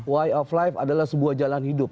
y of life adalah sebuah jalan hidup